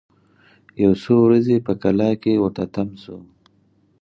یو څو ورځي په کلا کي ورته تم سو